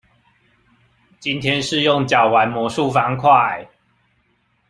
今天是用腳玩魔術方塊